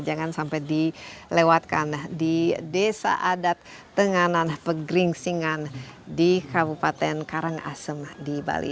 jangan sampai dilewatkan di desa adat tenganan pegeringsingan di kabupaten karangasem di bali